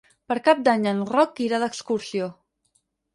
Per Cap d'Any en Roc irà d'excursió.